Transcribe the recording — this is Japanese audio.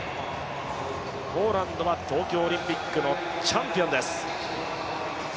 ポーランドは東京オリンピックのチャンピオンです。